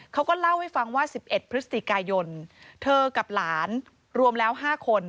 เขาก็เล่าให้ฟังว่า๑๑พฤศจิกายนเธอกับหลานรวมแล้ว๕คน